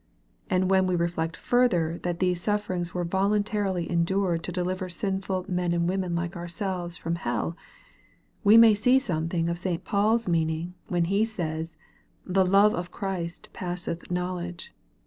And when we reflect further that these sufferings were voluntarily endured to deliver sinful men and women like ourselves from hell, we may see something of St. Paul's meaning when he says, " The love of Christ passeth knowledge."